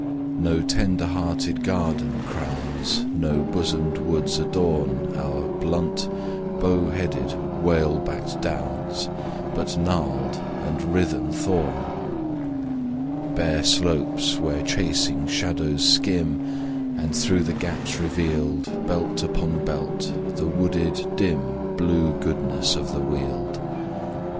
No tender hearted garden crowns, No bosonied woods adorn Our blunt, bow headed, whale backed Downs, But gnarled and writhen thorn Bare slopes where chasing shadows skim, And, through the gaps revealed, Belt upon belt, the wooded, dim, Blue goodness of the Weald.